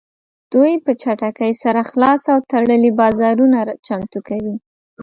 دوی په چټکۍ سره خلاص او تړلي بازارونه چمتو کوي